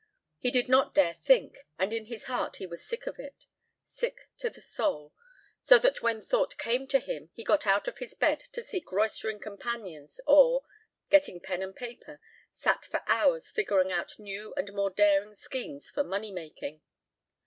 He did not dare think and in his heart he was sick of it. Sick to the soul, so that when thought came to him he got out of his bed to seek roistering companions or, getting pen and paper, sat for hours figuring out new and more daring schemes for money making.